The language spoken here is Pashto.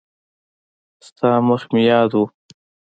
ستا مخ مې یاد و.